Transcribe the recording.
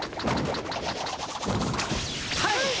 はい！